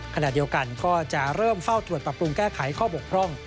ขณะเดียวกันก็จะเริ่มเฝ้าตรวจปรับปรุงแก้ไขข้อบกพร่อง